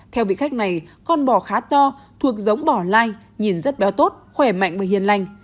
theo vị khách này con bò khá to thuộc giống bỏ lai nhìn rất béo tốt khỏe mạnh bởi hiền lành